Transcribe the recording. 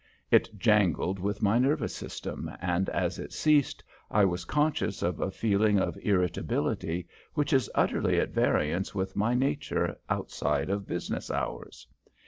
It jangled with my nervous system, and as it ceased I was conscious of a feeling of irritability which is utterly at variance with my nature outside of business hours.